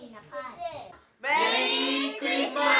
メリークリスマス！